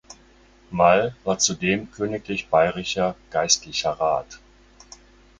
Mall war zudem königlich bayerischer Geistlicher Rat.